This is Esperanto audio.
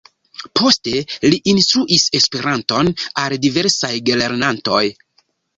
Poste, li instruis Esperanton al diversaj gelernantoj.